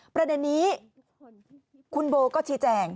ประเด็นนี้คุณโบก็ชี้แจง